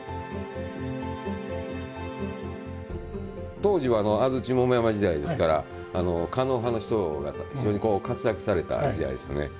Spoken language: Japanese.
当時は安土桃山時代ですから狩野派の人が非常に活躍された時代ですよね。